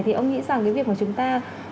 thì ông nghĩ rằng cái việc mà chúng ta